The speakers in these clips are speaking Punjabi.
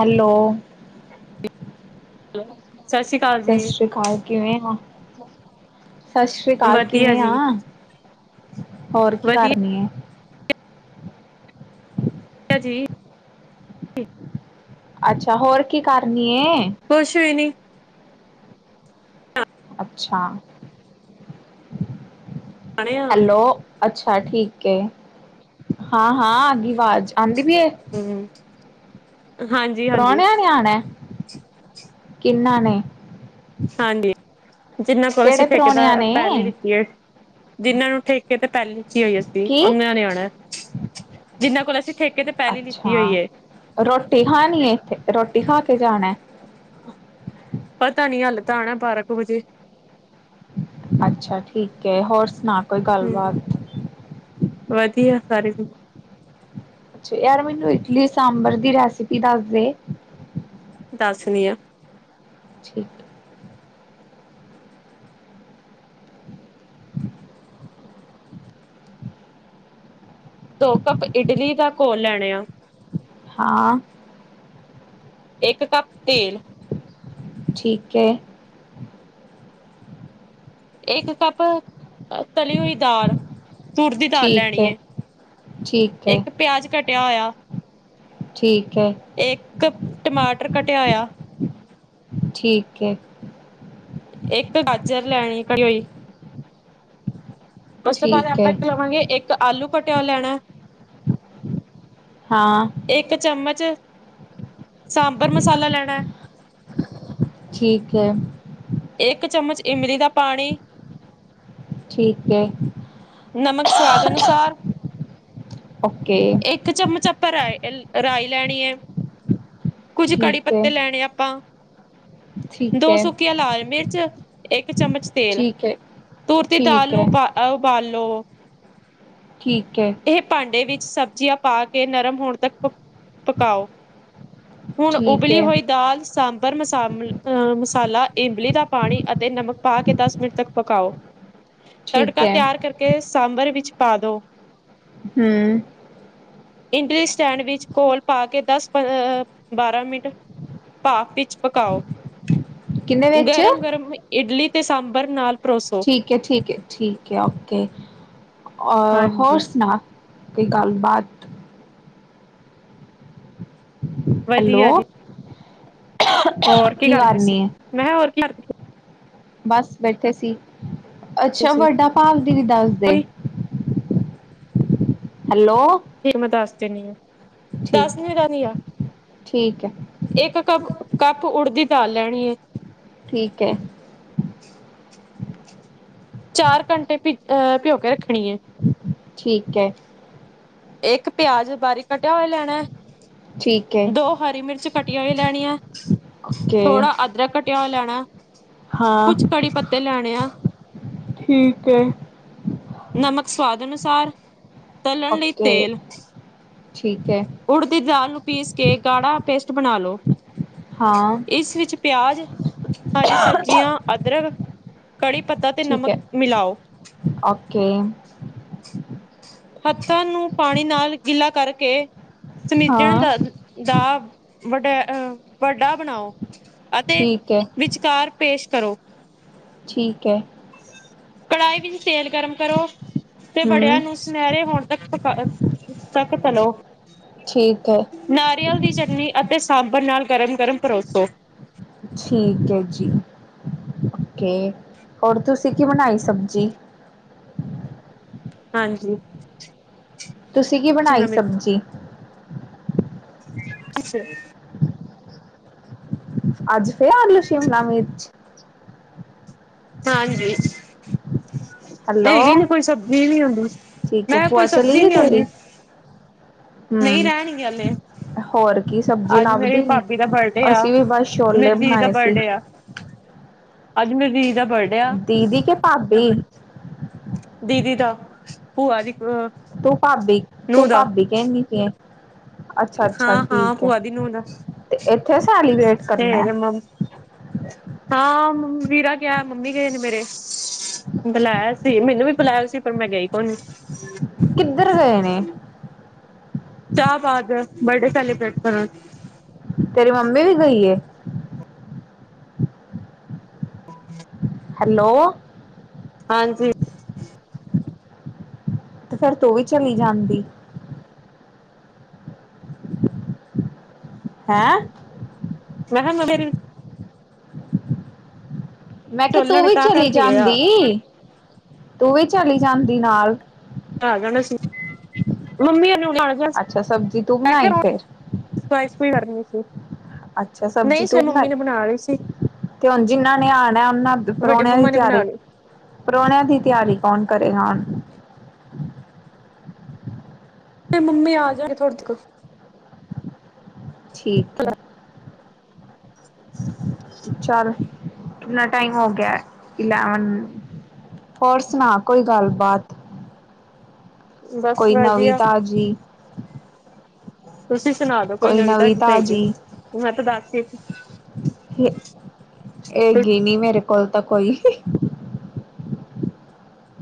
ਹੈਲੋ ਹੈਲ ਸਤਿ ਸ੍ਰੀ ਅਕਾਲ ਕਿਵੇਂ ਆ ਸਤਿ ਸ੍ਰੀ ਅਕਾਲ ਵਧੀਆ ਕਿਵੇਂ ਆ ਜੀ, ਹੋਰ ਕੀ ਵਧੀਆ ਕਰਨੀ ਹੈ ਜੀ ਅੱਛਾ ਹੋਰ ਕੀ ਕਰਨੀ ਕੁਛ ਵੀ ਨੀ ਅੱਛਾ ਖਾਣੇ ਆ, ਹੈਲੋ ਅੱਛਾ ਠੀਕ ਹੈ ਹਾਂ ਹਾਂ ਆਗੀ ਆਵਾਜ਼ ਆਉਂਦੀ ਪਈ ਹਮ ਪ੍ਰਾਹਣਿਆਂ ਨਿਆਣੇ ਕਿੰਨਾ ਨੇ ਹਾਂਜੀ ਜਿੰਨਾਂ ਕੋਲ ਅਸੀਂ ਕਿਹੜੇ ਫੇਕਦਾ ਪ੍ਰਾਹੁਣਿਆਂ ਨੇ ਪਹਿਲ ਹੀ ਦਿੱਤੀਏ ਜਿਹਨਾਂ ਨੂੰ ਠੇਕੇ ਤੇ ਪਹਿਲੀ ਕੀ ਹੋਈ ਸੀ ਕੀ ਉਹਨਾਂ ਨੇ ਆਉਣਾ ਜਿਨਾਂ ਕੋਲ ਅਸੀਂ ਠੇਕੇ ਤੇ ਪਲੀ ਲਿੱਤੀ ਅੱਛਾ ਹੋਈਏ ਰੋਟੀ ਖਾਣੀ ਏ ਇੱਥੇ ਰੋਟੀ ਖਾ ਕੇ ਜਾਣਾ ਪਤਾ ਨੀ ਹੱਲ ਤਾਂ ਆਣਾ ਬਾਰਾਂ ਕੁ ਵਜੇ ਅੱਛਾ ਠੀਕ ਹੋਰ ਸੁਣਾ ਕੋਈ ਹਮ ਗੱਲਬਾਤ ਵਧੀਆ ਸਾਰੇ ਅੱਛਾ ਯਾਰ ਮੈਨੂੰ ਇਟਲੀ ਸਾਂਬਰ ਦੀ ਰੈਸਪੀ ਦੱਸ ਦੇ। ਦੱਸਦੀ ਆ। ਠੀਕ ਐ। [unintelligible] ਦੋ ਕੱਪ ਇਡਲੀ ਦਾ ਘੋਲ ਲੈਣੇ ਆ। ਹਾਂ। ਇੱਕ ਕੱਪ ਤੇਲ ਠੀਕ ਹੈ। ਇੱਕ ਕੱਪ ਤਲੀ ਹੋਈ ਦਾਲ ਤੁਰ ਦੀ ਦਾਲ ਠੀਕ ਲੈਣੀ ਹੈ ਆ ਠੀਕ ਹੈ ਇੱਕ ਪਿਆਜ ਕੱਟ ਕਟਿਆ ਹੋਇਆ, ਠੀਕ ਹੈ ਇੱਕ ਟਮਾਟਰ ਕਟਿਆ ਹੋਇਆ। ਠੀਕ ਹੈ। ਇੱਕ ਗਾਜਰ ਲੈਣੀ ਘੜੀ ਹੋਈ। ਉਸ ਤੋਂ ਬਾਅਦ ਠੀਕ ਹੈ ਆਪਾਂ ਇੱਕ ਲਵਾਂਗੇ ਇੱਕ ਆਲੂ ਕਟਿਆ ਹੋਇਆ ਲੈਣਾ। ਹਾਂ ਇੱਕ ਚਮਚ ਸਾਂਬਰ ਮਸਾਲਾ ਲੈਣਾ ਹੈ। ਠੀਕ ਹੈ ਇੱਕ ਚਮਚ ਇਮਲੀ ਦਾ ਪਾਣੀ। ਠੀਕ ਹੈ ਨਮਕ ਸਵਾਦ ਅਨੁਸਾਰ। ਓਕੇ ਇੱਕ ਚਮਚ ਆਪਾਂ ਰ ਰਾਇ ਲੈਣੀ ਹੈ ਕੁੱਝ ਕੜੀ ਠੀਕ ਹੈ ਪੱਤੇ ਲੈਣੇ ਆ ਆਪਾਂ। ਠੀਕ ਦੋ ਹੈ ਸੁੱਕੀਆਂ ਲਾ ਰ ਮਿਰਚ ਇੱਕ ਚਮਚ ਤੇਲ ਠੀਕ ਹੈ ਧੁਰਤੀ ਦਾਲ ਠੀਕ ਨੂੰ ਹੈ ਉਪ ਉਬਾਲੋ ਠੀਕ ਹੈ ਇਹ ਭਾਂਡੇ ਵਿੱਚ ਸਬਜ਼ੀਆਂ ਪਾ ਕੇ ਨਰਮ ਹੋਣ ਤੱਕ ਪ ਪਕਾਓ। ਹੁਣ ਠੀਕ ਉਬਲੀ ਹੈ ਹੋਈ ਦਾਲ ਸਾਂਬਰ ਮਸ ਅਹ ਮਸਾਲਾ, ਇਮਲੀ ਦਾ ਪਾਣੀ ਅਤੇ ਨਮਕ ਪਾ ਕੇ ਦਸ ਮਿੰਟ ਤੱਕ ਪਕਾਓ। ਠੀਕ ਤੜਕਾ ਹੈ ਤਿਆਰ ਕਰਕੇ ਸਾਂਬਰ ਵਿੱਚ ਪਾ ਦੋ। ਹੂੰ। ਇਡਲੀ ਸਟੈਂਡ ਵਿੱਚ ਘੋਲ ਪਾ ਕੇ ਦੱਸ ਪ-ਅ ਬਾਰਾਂ ਮਿੰਟ ਭਾਫ ਵਿੱਚ ਪਕਾਓ, ਕਿੰਨੇ ਵਿੱਚ ਗਰਮ-ਗਰਮ ਇਡਲੀ ਤੇ ਸਾਂਬਰ ਨਾਲ ਪਰੋਸੋ। ਠੀਕ ਹੈ, ਠੀਕ ਹੈ, ਠੀਕ ਹੈ, ਓਕੇ, ਔ ਹੋਰ ਹਾਂਜੀ, ਸੁਣਾ? ਕੋਈ ਗੱਲਬਾਤ? ਹੈਲੋ ਵਧੀਆ ਜੀ। ਹੋਰ ਕੀ ਕਰਦੇ ਸੀ? ਮੈਂ ਕਿਹਾ ਹੋਰ ਬੱਸ ਬੈਠੇ ਸੀ, ਅੱਛਾ, ਤੁਸੀਂ? ਵੱਡਾ ਭਾਵ ਦੀਦੀ ਦੱਸਦੇ? ਉਹੀ ਠੀਕ ਮੈਂ ਦੱਸ ਦੇਣੀ ਹਾਂ, ਦੱਸ ਠੀਕ ਈ ਦੇਣੀ ਹਾਂ। ਠੀਕ ਹੈ ਇੱਕ ਕੱਪ, ਕੱਪ ਉੱਡਦ ਦੀ ਦਾਲ ਲੈਣੀ ਹੈ। ਠੀਕ ਹੈ। ਚਾਰ ਘੰਟੇ ਭਿੱਜ ਅ ਭਿਓਂ ਕੇ ਰੱਖਣੀ ਹੈ। ਠੀਕ ਹੈ। ਇੱਕ ਪਿਆਜ ਬਾਰੀਕ ਕੱਟਿਆ ਹੋਇਆ ਲੈਣਾ। ਠੀਕ ਹੈ ਦੋ ਹਰੀ ਮਿਰਚ ਕਟੀ ਹੋਈ ਲੈਣੀ ਹੈ। ਓਕੇ ਥੋੜ੍ਹਾ ਅਦਰਕ ਕੱਟਿਆ ਹੋਇਆ ਲੈਣ ਹਾਂ ਕੁਝ ਕੜੀ ਪੱਤੇ ਲੈਣੇ ਆ। ਠੀਕ ਹੈ ਨਮਕ ਸਵਾਦ ਅਨੁਸਾਰ, ਤੱਲਣ ਲਈ ਓਕੇ ਤੇਲ। ਠੀਕ ਹੈ ਉਡਦ ਦੀ ਦਾਲ ਨੂੰ ਪੀਸ ਕੇ ਗਾੜ੍ਹਾ ਪੇਸਟ ਬਣਾ ਲੋ। ਹਾਂ ਇਸ ਵਿੱਚ ਪਿਆਜ, ਹਰੀ ਸਬਜ਼ੀਆਂ, ਅਦਰਕ। ਕੜ੍ਹੀ ਪੱਤਾ ਤੇ ਠੀਕ ਨਮਕ ਹੈ ਮਿਲਾਓ। ਓਕੇ ਹੱਥਾਂ ਨੂੰ ਪਾਣੀ ਨਾਲ ਗਿੱਲਾ ਕਰਕੇ ਸਮਿਜਣ ਦ ਹਾਂ ਦਾ ਵਡ ਅ ਵੱਡਾ ਬਣਾਓ ਅਤੇ ਠੀਕ ਹੈ ਵਿਚਕਾਰ ਪੇਸਟ ਕਰੋ। ਠੀਕ ਹੈ। ਕੜਾਹੀ ਵਿੱਚ ਤੇਲ ਗਰਮ ਕਰੋ ਤੇ ਹਮ ਵੜਿਆਂ ਨੂੰ ਸੁਨਹਿਰੇ ਹੋਣ ਤੱਕ ਪਕ ਅ ਤੱਕ ਤਲੋ। ਠੀਕ ਹੈ ਨਾਰੀਅਲ ਦੀ ਚਟਨੀ ਅਤੇ ਸਾਂਬਰ ਨਾਲ ਗਰਮ-ਗਰਮ ਪਰੋਸੋ। ਠੀਕ ਹੈ ਜੀ। ਓਕੇ, ਹੋਰ ਤੁਸੀਂ ਕੀ ਬਣਾਈ ਸਬਜੀ? ਹਾਂਜੀ। ਤੁਸੀਂ ਕੀ ਬਣਾਈ ਸ਼ਿਮਲਾ ਸਬਜੀ? ਅੱਛਾ। ਅੱਜ ਫਿਰ ਆਲੂ ਸ਼ਿਮਲਾ ਮਿਰਚ। ਹਾਂਜੀ। ਹੈਲੋ ਹੈਗੀ ਨਹੀਂ ਕੋਈ ਸਬਜ਼ੀ ਨਹੀਂ ਹੁੰਦੀ। ਠੀਕ ਹੈ ਮੈਂ ਕੋਈ ਭੂਆ ਚਲੀ ਸਬਜ਼ੀ ਗਈ ਨਹੀਂ ਆਉਂਦੀ। ਤੇਰੀ [inaudible] ਨਹੀਂ ਰਹਿਣਗੇ ਹੱਲੇ। ਹੋਰ ਕੀ ਸਬਜੀ ਲੱਭਦੀ ਨਹੀਂ। ਬਰਡੇ ਆ। ਅਸੀਂ ਵੀ ਬੱਸ ਛੋਲੇ ਮੇਰੀ ਦੀਦੀ ਦਾ ਬਣਾਏ ਸੀ। [inaudible] ਬਰਡੇ ਆ ਅੱਜ ਮੇਰੀ ਦੀਦੀ ਦਾ ਬਰਡ ਦੀਦੀ ਕਿ ਭਾਬੀ। ਦੀਦੀ ਦਾ, ਭੂਆ ਦੀ ਕੁੜ ਅ ਤੂੰ ਭਾਬੀ, ਤੂੰ ਨੂੰਹ ਦਾ ਭਾਬੀ ਕਹਿਣੀ ਪਈ ਹੈ। ਅੱਛਾ-ਅੱਛਾ ਹਾਂ-ਹਾਂ ਠੀਕ ਹੈ ਭੂਆ ਦੀ ਨੂੰਹ ਦਾ ਤੇ ਇੱਥੇ ਸੈਲੀਬ੍ਰੇਟ ਕਰਨਾ [inaudible] ਫੇਰ ਮੰਮ ਹਾਂ, ਮੰਮ ਵੀਰਾ ਗਿਆ ਮੰਮੀ ਗਏ ਨੇ ਮੇਰੇ। ਬੁਲਾਇਆ ਸੀ, ਮੈਂਨੂੰ ਵੀ ਬੁਲਾਇਆ ਸੀ ਪਰ ਮੈਂ ਗਈ ਕੋਣੀ। ਕਿੱਧਰ ਗਏ ਨੇ? ਸ਼ਾਹਬਾਦ ਬਰਡੇ ਸੈਲੀਬ੍ਰੇਟ ਕਰਨ। ਤੇਰੀ ਮੰਮਮੀ ਵੀ ਗਈਏ ਹੈਲੋ ਹਾਂਜੀ। ਤੇ ਫੇਿਰ ਤੂੰ ਵੀ ਚਲੀ ਜਾਂਦੀ ਹੈਂ ਮੈਂ ਕਿਹਾ ਮੇਰੀ ਮੈਂ ਕਿਹਾ ਤੂੰ ਚੱਲਣ ਵੀ ਤਾਂ ਚਲੀ ਕਰਕੇ ਗਿਆ ਜਾਂਦੀ ਤੂੰ ਵੀ ਚਲੀ ਜਾਂਦੀ ਨਾਲ ਆ ਜਾਣਾ ਸੀ ਮੰਮੀ ਨੂੰ ਅੱਛਾ ਸਬਜ਼ੀ ਤੂੰ ਈ ਬਣਾਈ ਕਰਨ ਫੇਰ ਅੱਛਾ ਸਬਜ਼ੀ ਤੂੰ ਬਣਾਈ ਨੇ ਬਣਾ ਲਈ ਸੀ ਤੇ ਹੁਣ ਜਿਨਾਂ ਨੇ ਆਣਾਿਆ ਉਹਨਾਂ ਵੱਡੇ ਪ੍ਰੋਨਿਆ ਦੀ ਮੰਮਾ ਨੇ ਤਿਆਰੀ ਬਣਾ ਲਈ ਪ੍ਰਾਹਣਿਆਂ ਦੀ ਤਿਆਰੀ ਕੌਣ ਕਰੇਗਾ ਹੁਣ ਮੰਮੀ ਆ ਜਾਗੇ ਥਹਾਡੇ ਤਕ ਠੀਕ ਹੈ ਚੱਲ ਕਿਨਾ ਟਾਈਮ ਹੋ ਗਿਆ ਇਲਵਨ ਹੋਰ ਸੁਣਾ ਕੋਈ ਗੱਲਬਾਤ ਬਸ ਕੋਈ ਨਵੀਂ ਵਧੀਆ ਤਾਜ਼ੀ ਤੁਸੀਂ ਸੁਣਾ ਦੋ ਕੋਈ ਨਵੀਂ ਤਾਜ਼ੀ ਪਹੈਗੀ ਮੈਂ ਤਾਂ ਦੱਸਦੀ ਇਹਗੀ ਨੀ ਮੇਰੇ ਕੋਲ ਤਾਂ ਕੋਈ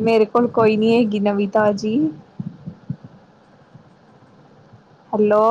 ਮੇਰੇ ਕੋਲ ਕੋਈ ਨੀ ਹੈਗੀ ਨਵੀ ਤਾਜੀ ਹੈਲੋ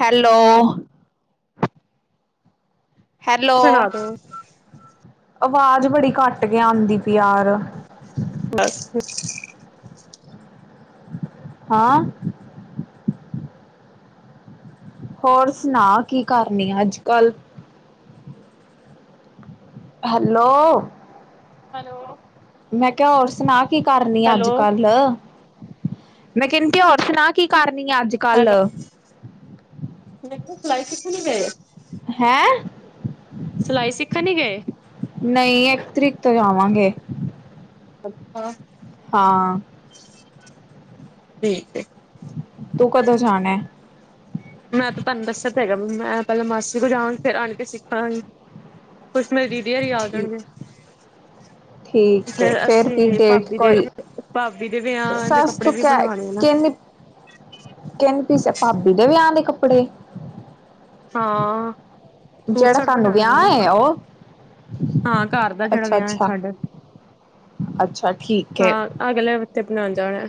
- ਹੈਲੋ ਹੈਲੋ ਸੁਣਾ ਦੋ ਆਵਾਜ਼ ਬੜੀ ਘੱਟ ਕੇ ਆਉਂਦੀ ਪਿਆਰ ਬਸ ਹਾਂ ਹੋਰ ਸੁਣਾ ਕਿ ਕਰਨੀ ਅੱਜ -ਕੱਲ ਹੈਲੋ ਹੈਲੋ ਮੈਂ ਕਿਹਾ ਹੋਰ ਸੁਣਾ ਕੀ ਕਰਨੀ ਆ ਹੈਲੋ ਅੱਜ -ਕੱਲ ਮੈਂ ਕਹਿੰਦੀ ਕਿ ਹੋਰ ਸੁਣਾ ਕਿ ਕਰਨੀ ਆ ਅੱਜ -ਕੱਲ ਮ ਸਲਾਈ ਸ਼ਿਕਣੀ ਵੇ ਹੈਂ ਸਿਲਾਈ ਸਿੱਖਣ ਨੀ ਗਏ ਨਹੀਂ ਇੱਕ ਤਰੀਕ ਤੋਂ ਜਾਵਾਂਗੇ। ਅੱਛਾ। ਹਾਂ। ਠੀਕ ਏ। ਤੂੰ ਕਦੋਂ ਜਾਣਾ ਐ? ਮੈਂ ਤੇ ਤੁਹਾਨੂੰ ਦੱਸਿਆ ਤੇ ਹੈਗਾ ਮੈਂ ਪਹਿਲਾਂ ਮਾਸੀ ਕੋਲ ਜਾਵਗੀ ਫੇਰ ਆਂਟੀ ਸਿੱਖਨ ਮੇਰੀ ਦੀਦੀ ਹਰੀ ਆ ਜਾਣਗੇ ਹਮ [inaudible] ਠੀਕ ਹੈ। ਫੇਰ ਵੀ ਅਸੀਂ ਡੇਟ ਭਾਬੀ ਦੇ ਕੋਈ ਭਾਬੀ ਦੇ ਵਿਆਹ ਦੇ ਸੱਸ ਕੱਪੜੇ ਤੂੰ ਵੀ ਕਿਆ ਬਣਵਾਣੇ ਨਾ। ਕਿੰਨੀ ਕਹਿੰਦੇ ਪੀਸਿਆ ਭਾਬੀ ਦੇ ਵਿਆਹ ਦੇ ਕੱਪੜੇ ਹਾਂ। ਸੂਟ ਜਿਹੜਾ ਸਾਟ ਸਾਨੂੰ ਬਣਾਣਗੇ ਵਿਆਹ ਨਾ ਏ ਉਹ ਹਾਂ ਘਰ ਦਾ ਜਿਹੜਾ ਅੱਛਾ ਵਿਆਹ ਹੈ ਅੱਛਾ ਸਾਡੇ ਅੱਛਾ ਠੀਕ ਹੈ ਹਾਂ, ਅਗਲੇ ਹਫਤੇ ਬਣਾਉਣ ਜਾਣਾ।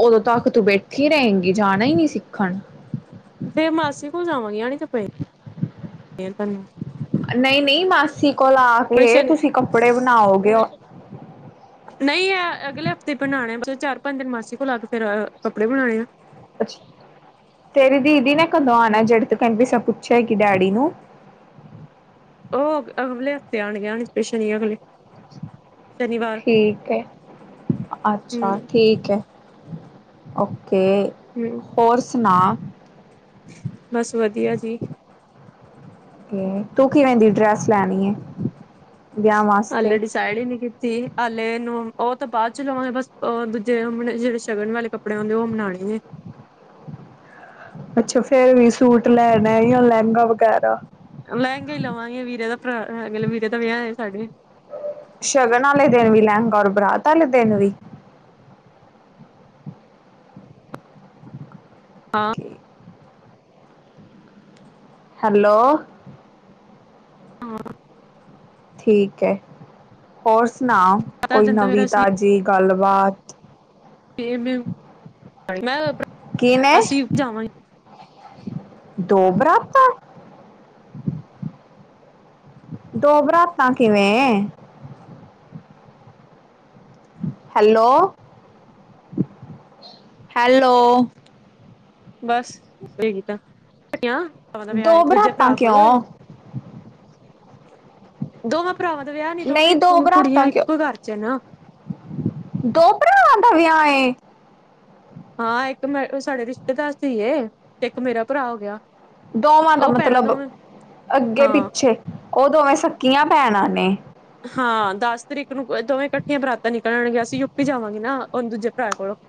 ਉਦੋਂ ਤੱਕ ਤੂੰ ਬੈਠੀ ਰਹੇਗੀ ਜਾਣਾ ਹੀ ਨਹੀਂ ਸਿੱਖਣ? ਫੇਰ ਮਾਸੀ ਕੋਲ ਜਾਵਾਂਗੇ। ਤੁਹਾਨੂੰ ਨਹੀਂ-ਨਹੀਂ, ਮਾਸੀ ਕੋਲ ਆ ਹੁਣ ਕੇ ਸ਼ਨੀ ਤੁਸੀਂ ਕੱਪੜੇ ਬਣਾਓਗੇ। ਨਹੀਂ, ਇਹ ਅਗਲੇ ਹਫ਼ਤੇ ਬਣਾਉਣੇ ਆ। ਚਾਰ- ਪੰਜ ਦਿਨ ਮਾਸੀ ਕੋਲ ਲਾ ਕੇ ਫਿਰ ਕੱਪੜੇ ਬਣਾਉਣੇ ਆ। ਤੇਰੀ ਦੀਦੀ ਨੇ ਕਦੋਂ ਆਣਾ ਏ? ਜਿਹੜੀ ਤੂੰ ਕਹਿੰਦੀ ਸੀ ਚ ਕਿ ਡੈਡੀ ਨੂੰ ਉਹ ਅ -ਅਗਲੇ ਹਫ਼ਤੇ ਆਉਣਗੇ। ਆਣਗੇ ਸਪੇਸ਼ ਹੀ ਅਗਲੇ ਸ਼ਨੀਵਾਰ ਠੀਕ ਹੈ, ਅੱਛਾ! ਹੂੰ-ਹੂੰ ਠੀਕ ਹੈ, ਓ ਤੇ ਹੋਰ ਸੁਣਾ? ਬਸ ਵਧੀਆ ਜੀ। ਤੂੰ ਕਿਵੇ ਦੀ ਡਰੈਸ ਲੈਣੀ ਹੈ ਵਿਆਹ ਵਾਸਤੇ ਅਲੇ ਡਿਸਾਈਡ ਹੀ ਨਹੀਂ ਕੀਤੀ, ਅਲੇ ਨਵੰ ਉਹ ਤਾਂ ਬਾਅਦ ਚ ਲਵਾਗੇ। ਬਸ ਉਹ ਦੂਜੇ ਜਿਹੜੇ ਸ਼ਗਨ ਵਾਲੇ ਕੱਪੜੇ ਹੁੰਦੇ ਉਹ ਬਣਾਉਣੇ ਨੇ । [inaudible] ਅੱਛਾ, ਫੇਰ ਵੀ ਸੂਟ ਲੈਣਾ ਜਾਂ ਲਹਿੰਗਾ ਵਗੈਰਾ ਵੀ ਹੈ। ਲਹਿੰਗਾ ਹੀ ਲਵਾਂਗੇ, ਵੀਰੇ ਦਾ ਭਰਾ ਅ ਵੀਰੇ ਦਾ ਵਿਆਹ ਹੈ ਸਾਡੇ। ਸ਼ਗਨ ਵਾਲੇ ਦਿਨ ਵੀ ਲਹਿੰਗਾ ਔਰ ਬਰਾਤ ਵਾਲੇ ਦਿਨ ਵੀ। ਸਾਹਾ। [inaudible] ਕਿ ਹੈਲੋ! ਹਾਂ ਠੀਕ ਹੈ, ਹੋਰ ਸੁਣਾ ਸੱਤ ਅੱਠ ਕੋਈ ਦਿਨ ਤਾਂ ਫੇਰ ਨਵੀਂ ਅਸੀਂ ਤਾਜ਼ੀ? ਗੱਲਬਾਤ ਮੈਂ ਕਿਨੇ ਅਸੀਂ ਜਾਵਾਂਗੇ। [unintelligible] ਦੋ ਬਰਾਤਾ! ਦੋ ਬਰਾਤਾਂ ਕਿਵੇਂ? ਹੈਲੋ ਹੈਲੋ ਹਣਜੀ ਕਿਵੇ ਨੇ। ਬਸ ਸਹੀ ਕੀਤਾਟ ਵਿਚ ਹਨ। ਦੋ ਬਰਾਤਾਂ ਕਿਉਂ ਆਉਂਦੀ ਨੇ। ਦੋ ਮਾਂ ਬੋਲੀ ਨੂੰ ਸਿਰਫ਼ ਕੀਤੇ ਨੇ। ਭਰਾਵਾਂ ਦਾ ਵਿਆਹ ਨੀ ਨਹੀਂ ਦੋਵੇਂ ਦੋ ਬਰਾਤਾਂ ਕੁੜੀਆਂ ਕਿਉਂ ਇੱਕੋ ਘਰ ਚ ਨਾ ਹਾਂਜੀ ਦੋਵਾਂ ਭਹੇਣ ਸੀ। ਆਉਂਦਾ ਵਿਹਆ ਕਿਦੇ ਨਾ। ਹਾਂ ਇੱਕ ਮੈਂ ਸਾਡੇ ਰਿਸ਼ਤੇਦਾਰ ਸੀਗੇ ਤੇ ਇੱਕ ਮੇਰਾ ਭਰਾ ਹੋ ਗਿਆ ਹਨ। ਦੋਵਾਂ ਦਾ ਮਤਲਬ ਅੱਗੇ ਹਾਂ ਪਿੱਛੇ ਉਹ ਦੋਵੇਂ ਸਕੱਕੀਆਂ ਪੈਣ ਨੇ ਮਿਲੀ ਸੀ। ਹਾਂ ਦਸ ਤਰੀਕ ਨੂੰ ਦੋਵੇਂ ਇਕੱਠੀਆਂ ਬਰਾਤਾਂ ਨਿਕਲ ਆਣਗੀਆਂ ਅਸੀਂ ਯੂਪੀ ਜਾਵਾਂਗੇ ਨਾ ਦੂਜੇ ਭਰਾ ਕੋਲੋਂ ਪੰਜਾਬ ਜਾਊਗਾ।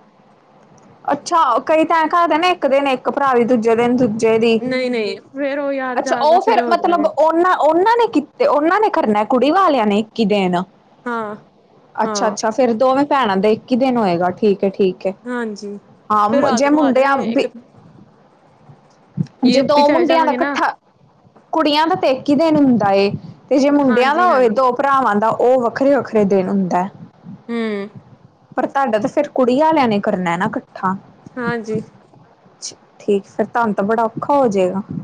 ਅੱਛਾ ਕਈ ਤਣ ਘਰਦੇ ਨੇ ਇੱਕ ਦਿਨ ਇੱਕ ਭਰਾ ਵੀ ਦੂਜੇ ਦਿਨ ਦੂਜਾ ਭਰਾ ਦਾ ਵਿਆਹ ਹਨ। ਦੀ ਨਹੀਂ ਨਹੀਂ ਫੇਰ ਉਹ ਯਾਰ ਅੱਛਾ ਜ਼ਿਆਦਾ ਉਹ ਫੇਰ ਫੇਿਰ ਹੋ ਮਤਲਬ ਜਾਵੇ ਉਹਨਾਂ ਉਹਨਾਂ ਨੇ ਆਪਣੀ ਆਪਣੀ ਵੋਤੀ ਲਾ ਕੇ ਆਉਣੀ। ਕੀਤੇ ਉਹਨਾਂ ਨੇ ਕਰਨਾ ਕੁੜੀ ਵਾਲਿਆਂ ਨੇ ਇੱਕ ਹੀ ਦਿਨ ਭਰਾਤਾ ਜਾਊਗੀ ਹਾਂ ਅੱਛਾ ਹਾਂ ਅੱਛਾ ਫੇਿਰ ਦੋਵੇਂ ਭੈਣਾਂ ਦਾ ਇੱਕ ਹੀ ਦਿਨ ਹੋਏਗਾ ਠੀਕ ਹੈ ਠੀਕ ਹੈ। ਹਾਂਜੀ ਹਨ ਫੇਰ ਜੀ ਇੱਕ ਹੀ ਦਿਨ ਵਹਿਆ ਹਨ। ਆ ਰਾਤ ਜੇ ਨੂੰ ਮੁੰਡੇ ਆ ਉਣਾ ਜਾਂਗੇ ਦਾ ਵਹਿਆ ਵੀ ਇਕ ਹੀ ਦਿਨ ਇੱਕ ਸੀ। ਜੇ ਦੋ ਯੂਪੀ ਚਲੇ ਮੁੰਡਿਆਂ ਦਾ ਜਾਵਾਂਗੇ ਨਾ ਇਕੱਠਾ ਕੁੜੀਆਂ ਦਾ ਤੇ ਇੱਕ ਹੀ ਦਿਨ ਹੁੰਦਾ ਏ। ਹਨ ਜੀ ਇੱਕ ਹੀ ਦਿਨ ਹੁੰਦਾ ਹਨ। ਤੇ ਜੇ ਮੁੰਡਿਆਂ ਹਾਂਜੀ ਦਾ ਹੋਵੇ ਹਾਂਜੀ ਦੋ ਭਰਾਵਾਂ ਦਾ ਉਹ ਵੱਖਰੇ ਵੱਖਰੇ ਦਿਨ ਹੁੰਦਾ ਹੈ। ਹਨ ਜੀ। ਹਮ ਪਰ ਤੁਹਾਡਾ ਤਾਂ ਫੇਿਰ ਕੁੜੀ ਵਾਲਿਆਂ ਨੇ ਕਰਨਾ ਨਾ ਇਕੱਠਾ ਹਾਂਜੀ। ਹਾਂਜੀ। ਤੂੰ ਵੀ ਆਉਣਾ ਵਹਿਆ ਚੋ । ਠੀਕ ਫਿਰ ਤੁਹਾਨੂੰ ਤਾਂ ਬੜਾ ਔਖਾ ਹੋ ਜਾਏਗਾ। ਹਾਂਜੀ।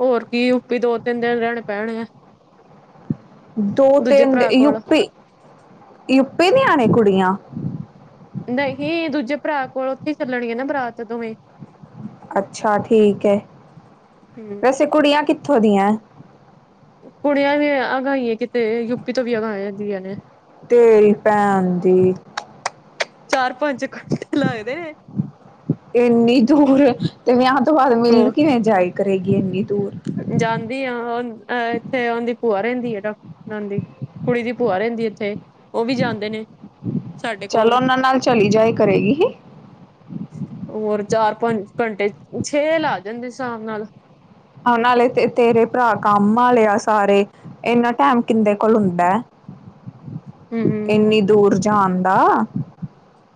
ਹੋਰ ਕੀ ਦੋ ਤਿੰਨ ਦਿਨ ਰਹਿਣੇ ਪੈਣੇ ਆ। ਪਰ ਵਹਿਆ ਚੋ ਮਜਾ ਵੀ ਆਉਣਾ। ਦੋ ਤਿੰਨ ਕੋਲ ਯੂਪੀ ਯੂਪੀ ਨ ਆਣੇ ਕੁੜੀਆਂ ਨਾਲ ਹੀ। ਨਹੀਂ ਦੂਜੇ ਭਰਾ ਕੋਲ ਉੱਥੇ ਹੀ ਚੱਲਣਗ ਨਾ ਬਰਾਤ ਦੋਵੇਂ ਮਹੱਤਵਪੂਰਨ ਹੈ। ਅੱਛਾ ਠੀਕ ਹੈ ਹਮ ਵੈਸੇ ਕੁੜੀਆਂ ਕਿੱਥੋਂ ਦੀਆਂ ਯੂਪੀ ਦੀਆ। ਕੁੜੀਆਂ ਵੀ ਵੜਿਆ ਨੇ। ਹਨ ਜੀ। ਤੇਰੀ ਭੈਣ ਦੀ ਗੱਲ ਕਰੀਏ ਰਿਸ਼ਤਾ ਲੇਇ। ਚਾਰ ਪੰਜ ਘੰਠੇ ਲੱਗਦੇ ਨੇ। ਹਾਂਜੀ ਲਗਦਾ ਨੇ। ਇੰਨੀ ਦੂਰ ਤੇ ਵਿਆਹ ਤੋਂ ਬਾਅਦ ਹੋਰ ਮਿਲਣ ਕਿਵੇਂ ਜਾਇ ਕਰੇਗੀ ਇੰਨੀ ਹਾਂਜੀ। ਜਾਂਦੀ ਆਹ ਇੱਥੇ ਆਦੀ ਭੂਆ ਰਹਿੰਦੀ ਹ ਨਾ ਰਹਿੰਦੀ ਉਹ ਕੁੜੀ ਦੀ ਭੂਆ ਰਹਿੰਦੀ ਉਥੇ ਭੂਆ ਰਹਿੰਦੀ ਇਥੇ ਉਹ ਵੀ ਜਾਂਦੇ ਨੇ । ਚਲ ਉਹਨਾਂ ਨਾਲ ਚਲੀ ਜਾਏ ਕਰੇਗੀ ਹੀ। ਹੋਰ ਚਾਰ, ਪੰਜ ਘੰਟੇ ਛੇ ਲਾ ਜਾਂਦੇ ਸ਼ਾਮ ਨਾਲ ਵਾਲੇ ਤੇ ਤੇਰੇ ਭਰਾ ਕੰਮ ਵਾਲੇ ਆ ਸਾਰੇ ਇਨਾ ਟਾਈਮ ਕਿੰਦੇ ਕੋਲ ਹੁੰਦਾ ਹੈ। ਹਮ ਹਮ ਇੰਨੀ ਦੂਰ ਜਾਣ ਦਾ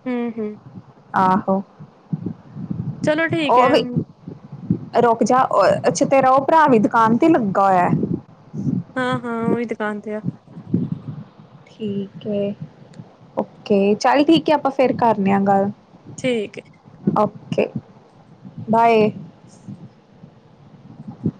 ਹਮ, ਹਮ । ਆਹੋ। ਚਲੋ ਠੀਕ ਉਹ ਹੈ। ਵੀ ਰੁਕ ਜਾ ਅੱਛਾ ਤੇਰਾ ਉਹ ਭਰਾ ਵੀ ਦੁਕਾਨ ਤੇ ਲੱਗਾ ਹੋਇਆ ਹਾਂ, ਹਾਂ ਉਹੀ ਦੁਕਾਨ ਤੇ ਆ। ਠੀਕ ਹੈ ਓਕੇ ।ਚੱਲ ਠੀਕ ਹੈ। ਆਪਾਂ ਫੇਰ ਕਰੇ ਆ ਗੱਲ। ਠੀਕ ਹੈ। Okay -bye.